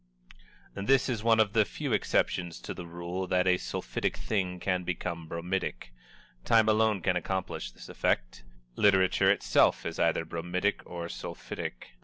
This is one of the few exceptions to the rule that a sulphitic thing can become bromidic. Time alone can accomplish this effect. Literature itself is either bromidic or sulphitic.